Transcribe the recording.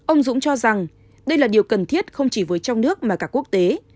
ông dũng cho rằng đây là điều cần thiết không chỉ với trong nước mà cả quốc tế